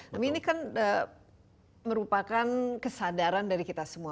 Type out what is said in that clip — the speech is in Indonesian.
tapi ini kan merupakan kesadaran dari kita semua